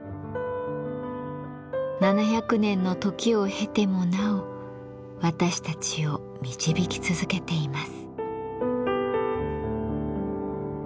７００年の時を経てもなお私たちを導き続けています。